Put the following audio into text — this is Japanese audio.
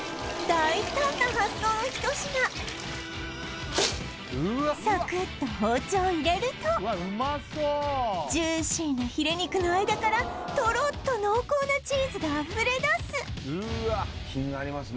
大胆な発想の一品サクッと包丁を入れるとジューシーなヒレ肉の間からトロッと濃厚なチーズがあふれ出す気になります